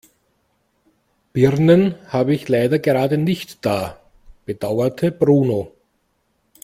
Birnen habe ich leider gerade nicht da, bedauerte Bruno.